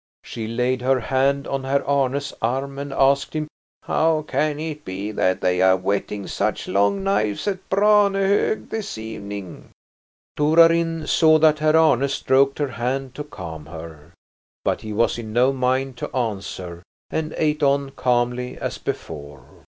She laid her hand on Herr Arne's arm and asked him: "How can it be that they are whetting such long knives at Branehog this evening?" Torarin saw that Herr Arne stroked her hand to calm her. But he was in no mind to answer and ate on calmly as before.